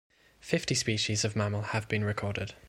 Fifty species of mammal have been recorded.